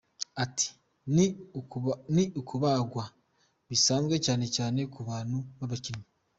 Ati: “ni ukubagwa bisanzwe cyane cyane ku bantu b’abakinnyi”.